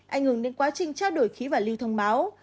ảnh hưởng đến quá trình trao đổi khí và lưu thông báo